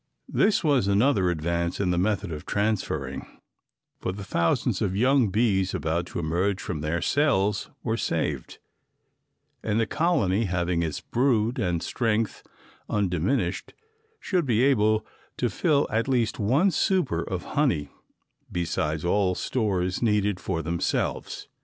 This was another advance in the method of transferring, for the thousands of young bees about to emerge from their cells were saved, and the colony having its brood and strength undiminished should be able to fill at least one super of honey besides all stores needed for themselves.